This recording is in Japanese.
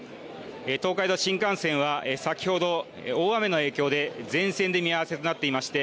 東海道新幹線は先ほど大雨の影響で全線で見合わせとなっていまして